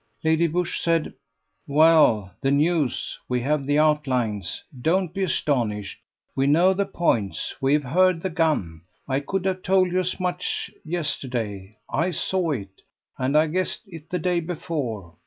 Lady Busshe said: "Well? the news! we have the outlines. Don't be astonished: we know the points: we have heard the gun. I could have told you as much yesterday. I saw it. And I guessed it the day before.